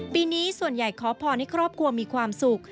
ปีนี้ส่วนใหญ่ขอพรให้ครอบครัวมีความสุข